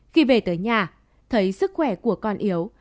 khi về tới nhà thấy sức khỏe của con yếu